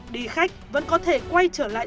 đi khách vẫn có thể quay trở lại